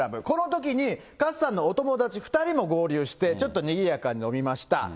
このときに、勝さんのお友達２人も合流して、ちょっとにぎやかに飲みました。